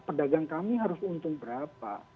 pedagang kami harus untung berapa